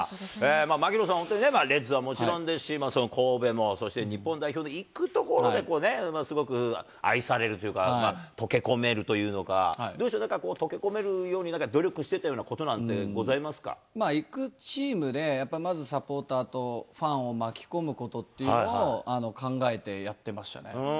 槙野さん、本当にね、レッズはもちろんですし、その神戸も、そして日本代表も行くところで、すごく愛されるというか、溶け込めるというのか、どうでしょう、なんか溶け込めるように、努力してたようなことなんていうのはご行くチームで、やっぱり、まずサポーターとファンを巻き込むことを考えてやってましたね。